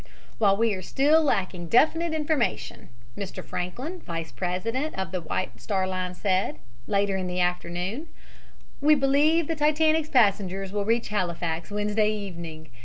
"While we are still lacking definite information," Mr. Franklin, vice president of the White Star Line, said later in the afternoon, "we believe the Titanic's passengers will reach Halifax, Wednesday evening.